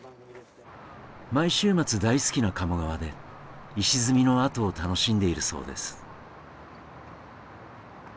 毎週末大好きな鴨川で石積みのアートを楽しんでいるそうです。